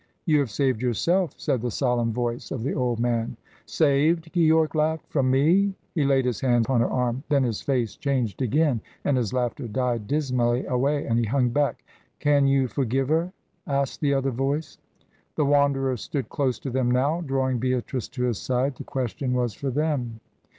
"You have saved yourself," said the solemn voice of the old man. "Saved?" Keyork laughed. "From me?" He laid his hand upon her arm. Then his face changed again, and his laughter died dismally away, and he hung back. "Can you forgive her?" asked the other voice. The Wanderer stood close to them now, drawing Beatrice to his side. The question was for them.